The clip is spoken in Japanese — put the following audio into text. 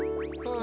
あ。